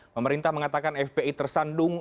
pemerintah mengatakan fpi tersandung